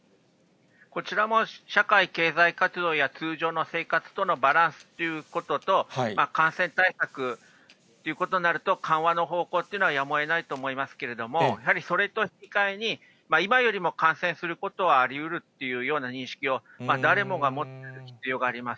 こちらも社会経済活動や通常の生活とのバランスっていうことと、感染対策っていうことになると、緩和の方向というのは、やむをえないと思いますけれども、やはりそれと引き換えに、今よりも感染することはありうるっていうような認識を、誰もが持ってる必要があります。